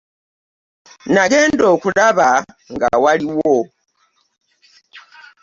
Nagenda okulaba nga waliwo